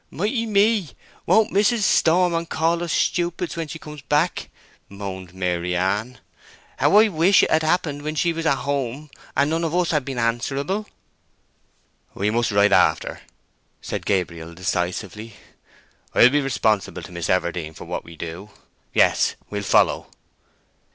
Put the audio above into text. "Mighty me! Won't mis'ess storm and call us stupids when she comes back!" moaned Maryann. "How I wish it had happened when she was at home, and none of us had been answerable!" "We must ride after," said Gabriel, decisively. "I'll be responsible to Miss Everdene for what we do. Yes, we'll follow."